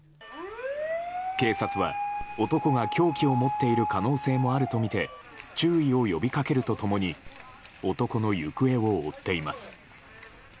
警察は男が凶器を持っている可能性もあるとみて注意を呼びかけると共に男の行方を追っています。